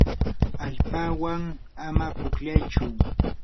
allpawan ama pukllaychu.